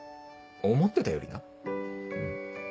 思ってたよりなうん。